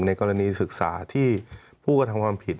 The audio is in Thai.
กรณีศึกษาที่ผู้กระทำความผิด